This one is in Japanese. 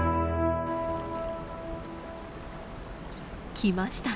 来ました。